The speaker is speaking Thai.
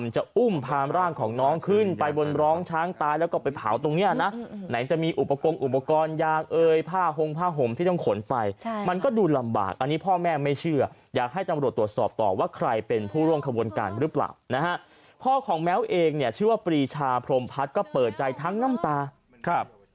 จะอุ้มพามร่างของน้องขึ้นไปบนร้องช้างตายแล้วก็ไปเผาตรงเนี้ยนะไหนจะมีอุปกรณ์อุปกรณ์ยางเอ่ยผ้าหงผ้าห่มที่ต้องขนไปใช่มันก็ดูลำบากอันนี้พ่อแม่ไม่เชื่ออยากให้ตำรวจตรวจสอบต่อว่าใครเป็นผู้ร่วมขบวนการหรือเปล่านะฮะพ่อของแม้วเองเนี่ยชื่อว่าปรีชาพรมพัฒน์ก็เปิดใจทั้งน้ำตาครับ